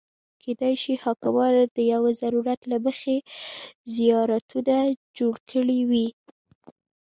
کېدای شي حاکمانو د یو ضرورت له مخې زیارتونه جوړ کړي وي.